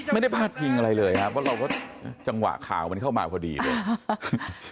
ไม่ได้พาดพิงอะไรเลยนะเพราะเราก็จังหวะข่าวมันเข้ามาพอดีเลย